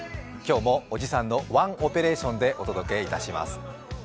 今日もおじさんのワンオペレーションでお届けします。